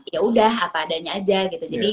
ya udah apa adanya aja gitu